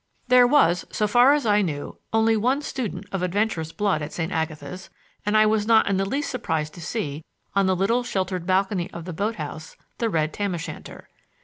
There was, so far as I knew, only one student of adventurous blood at St. Agatha's, and I was not in the least surprised to see, on the little sheltered balcony of the boat house, the red tam o' shanter.